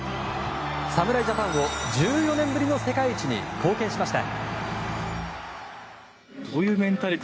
侍ジャパンを１４年ぶりの世界一に貢献しました。